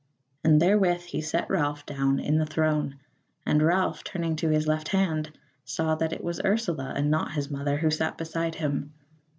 And therewith he set Ralph down in the throne, and Ralph, turning to his left hand, saw that it was Ursula, and not his mother, who sat beside him.